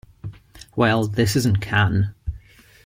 Well, this isn't Cannes.